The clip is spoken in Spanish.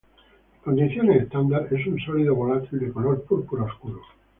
En condiciones estándar es un sólido volátil de color púrpura oscuro.